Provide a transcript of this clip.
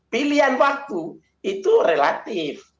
pilihan waktu itu relatif